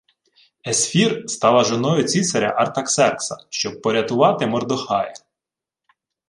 — Есфір стала жоною цісаря Артаксеркса, щоб порятувати Мордохая?